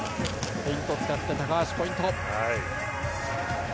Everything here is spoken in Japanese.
フェイントを使って高橋、ポイント。